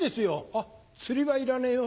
「あっ釣りはいらねえよ」